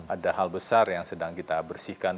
ada hal besar yang sedang kita bersihkan